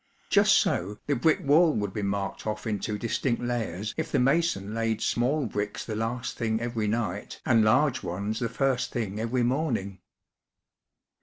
Just so the brick wall would be marked off into distinct layers if the mason laid small bricks the last thing every night and large ones the first thing every morning.